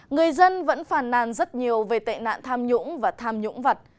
người dân vẫn phàn nàn rất nhiều về tệ nạn tham nhũng và tham nhũng vật